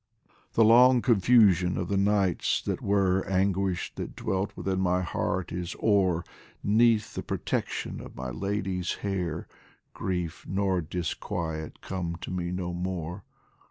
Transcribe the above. The long confusion of the nights that were, Anguish that dwelt within my heart, is o'er ; 'Neath the protection of my lady's hair Grief nor disquiet come to me no more.